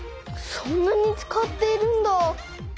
そんなに使っているんだ。